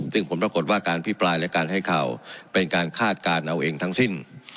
ซึ่งผลปรากฏว่าการพิปรายและการให้ข่าวเป็นการคาดการณ์เอาเองทั้งสิ้น